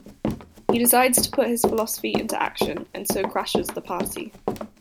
He decides to put his philosophy into action, and so crashes the party.